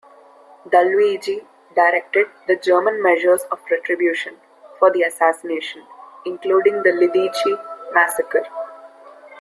Daluege directed the German measures of retribution for the assassination, including the Lidice massacre.